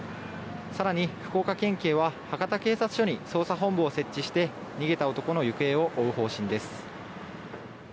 更に福岡県警は博多警察署に捜査本部を設置して逃げた男の行方を追う方針です。